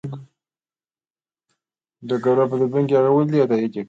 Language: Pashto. ډګروال په دوربین کې هغه ولید او تایید یې کړه